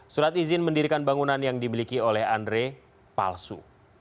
surat izin mendirikan bangunan yang dimiliki oleh andre palsu